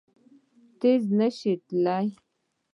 تېز نه شي تلای!